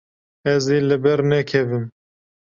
Ez ê li ber nekevim.